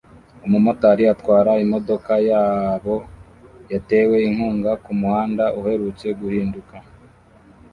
Umumotari atwara imodoka yabo yatewe inkunga kumuhanda uherutse guhinduka